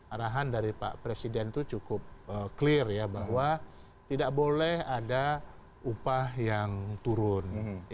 arahan dari pak presiden itu cukup clear ya bahwa tidak boleh ada upah yang turun